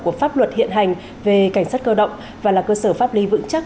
của pháp luật hiện hành về cảnh sát cơ động và là cơ sở pháp lý vững chắc